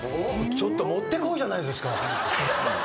ちょっともってこいじゃないですか。